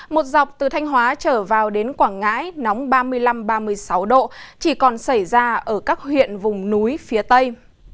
một dọc từ thanh hóa trở vào đến quảng ngãi nóng ba mươi năm ba mươi sáu độ chỉ còn xảy ra ở các huyện vùng núi phía tây